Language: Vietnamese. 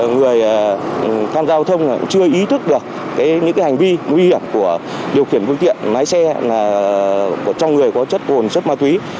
người khăn giao thông chưa ý thức được những hành vi nguy hiểm của điều khiển công tiện máy xe trong người có chất cồn chất ma túy